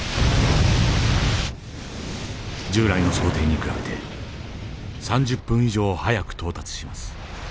従来の想定に比べて３０分以上早く到達します。